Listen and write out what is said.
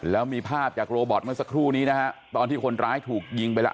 แล้วมีภาพจากโรบอตเมื่อสักครู่นี้นะฮะตอนที่คนร้ายถูกยิงไปแล้ว